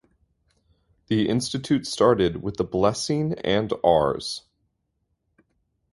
The institute started with the blessing and Rs.